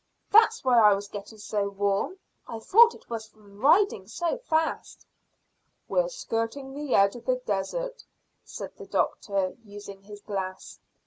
"That's why I was getting so warm. I thought it was from riding so fast." "We're skirting the edge of the desert," said the doctor, using his glass.